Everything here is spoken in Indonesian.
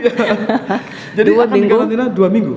jadi akan dikarantina dua minggu